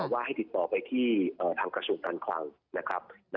ว่าให้ติดต่อไปที่ทางกระทรวงการคลังนะครับ